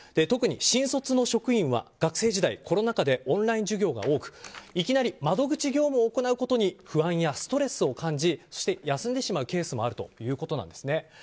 特に新卒の職員は学生時代、コロナ禍でオンライン授業が多くいきなり窓口業務を行うことに不安やストレスを感じそして休んでしまうケースもあるということなんです。